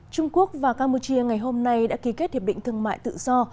trung quốc và campuchia ngày hôm nay đã ký kết hiệp định thương mại tự do